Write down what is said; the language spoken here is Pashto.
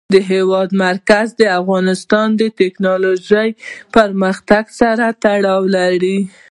د هېواد مرکز د افغانستان د تکنالوژۍ پرمختګ سره تړاو لري.